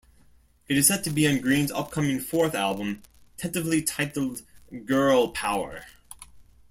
It is set to be on Green's upcoming fourth album, tentatively titled "Girl Power".